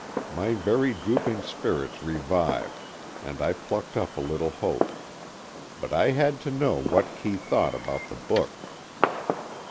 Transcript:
My very drooping spirits revived and I plucked up a little hope. But I had to know what Kee thought about the book.